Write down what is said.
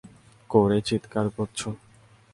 করে চিৎকার করছ!